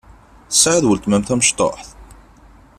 Tesɛiḍ weltma-m tamecṭuḥt?